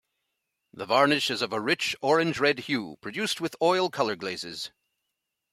The varnish is of a rich orange-red hue, produced with oil color glazes.